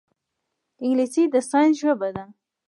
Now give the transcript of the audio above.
انګلیسي د ساینس ژبه ده